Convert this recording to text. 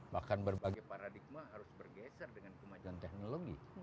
bahkan berbagai paradigma harus bergeser dengan kemajuan teknologi